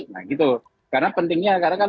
nah gitu karena pentingnya karena kan